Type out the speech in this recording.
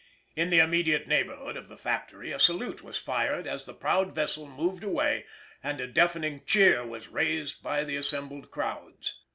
In the immediate neighborhood of the factory a salute was fired as the proud vessel moved away, and a deafening cheer was raised by the assembled crowds.